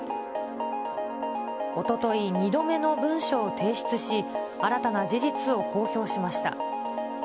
おととい、２度目の文書を提出し、新たな事実を公表しました。